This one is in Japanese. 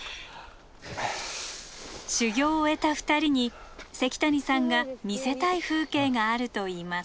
修行を終えた２人に関谷さんが見せたい風景があると言います。